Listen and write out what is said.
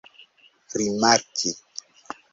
rimarki